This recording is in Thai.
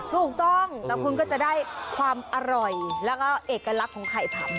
ถูกต้องแล้วคุณก็จะได้ความอร่อยและเอกลักษณ์ของไข่พล่ำ